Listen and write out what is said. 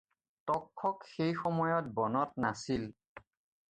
তক্ষক সেই সময়ত বনত নাছিল।